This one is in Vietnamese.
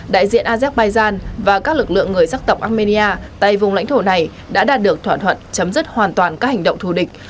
đại diện azerbaijan và các lực lượng người sắc tộc armenia tại vùng lãnh thổ này đã đạt được thỏa thuận chấm dứt hoàn toàn các hành động thù địch